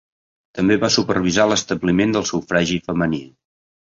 També va supervisar l'establiment del sufragi femení.